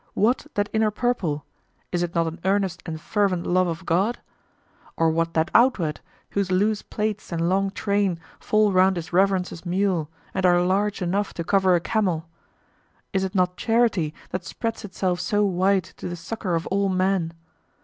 What that inner purple; is it not an earnest and fervent love of God? Or what that outward, whose loose plaits and long train fall round his Reverence's mule and are large enough to cover a camel; is it not charity that spreads itself so wide to the succor of all men?